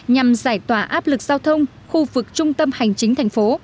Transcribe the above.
nhằm giải tỏa áp lực giao thông khu vực trung tâm hành chính thành phố